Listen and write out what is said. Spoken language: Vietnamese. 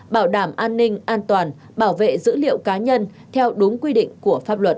bảo đảm an ninh an toàn bảo vệ dữ liệu cá nhân theo đúng quy định của pháp luật